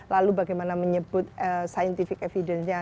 lalu bagaimana menyebut scientific evidence nya